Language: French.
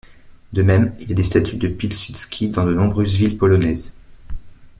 De même il y a des statues de Piłsudski dans de nombreuses villes polonaises.